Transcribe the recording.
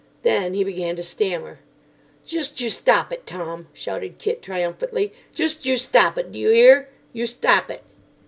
Then he began to stammer. "Just you stop it, Tom," shouted Kit triumphantly. "Just you stop it, d'you 'ear, you stop it."